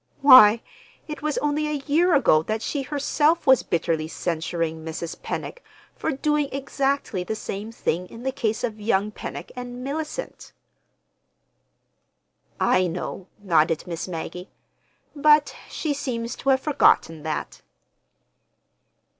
Why, it was only a year ago that she herself was bitterly censuring Mrs. Pennock for doing exactly the same thing in the case of young Pennock and Mellicent." "I know," nodded Miss Maggie. "But—she seems to have forgotten that."